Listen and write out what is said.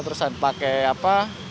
terus pakai apa